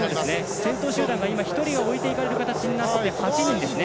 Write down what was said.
先頭集団が１人置いていかれる形になって８人ですね。